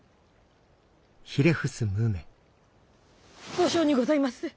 後生にございます！